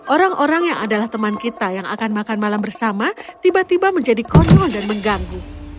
orang orang yang adalah teman kita yang akan makan malam bersama tiba tiba menjadi kontrol dan mengganggu